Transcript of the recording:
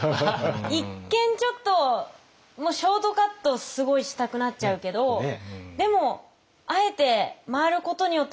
一見ちょっとショートカットすごいしたくなっちゃうけどでもあえて回ることによって速くなるっていう。